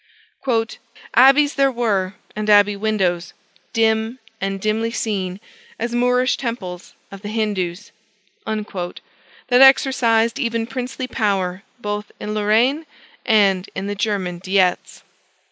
"Abbeys there were, and abbey windows, dim and dimly seen as Moorish temples of the Hindoos," that exercised even princely power both in Lorraine and in the German Diets.